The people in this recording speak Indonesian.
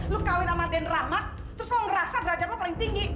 lo kawin sama den rahmat terus mau ngerasa gradas lo paling tinggi